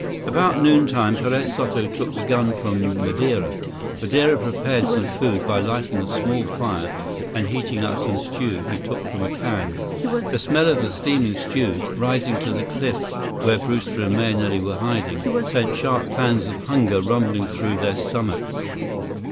About noontime, Perez Soto took the gun from Madeira. Madeira prepared some food by lighting a small fire and heating up some stew he took from a can. The smell of the steaming stew rising to the cliff where Brewster and Mahenili were hiding, sent sharp pangs of hunger rumbling through their stomachs.